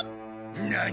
何？